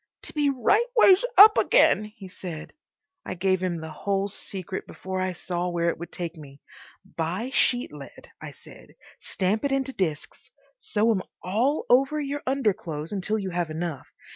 "To be right ways up again—" he said. I gave him the whole secret before I saw where it would take me. "Buy sheet lead," I said, "stamp it into discs. Sew 'em all over your underclothes until you have enough.